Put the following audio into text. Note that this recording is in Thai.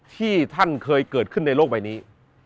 ที่ท่านเคยเกิดขึ้นในโลกใบนี้